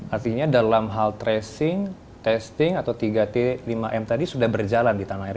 artinya dalam hal tracing testing atau tiga t lima m tadi sudah berjalan di tanah air